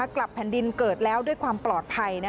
กลับแผ่นดินเกิดแล้วด้วยความปลอดภัย